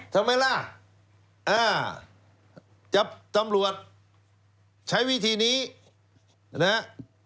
ทำไมล่ะจับตำรวจใช้วิธีนี้นะฮะ